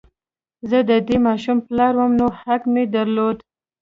زه د دې ماشوم پلار وم نو حق مې درلود